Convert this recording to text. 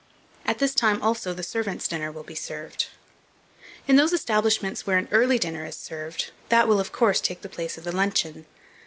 At this time, also, the servants' dinner will be served. In those establishments where an early dinner is served, that will, of course, take the place of the luncheon.